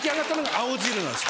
青汁なんです。